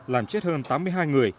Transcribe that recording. làm chết hơn tám mươi hai người